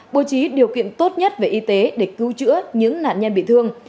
bố trí điều kiện tốt nhất về y tế để cứu chữa những nạn nhân bị thương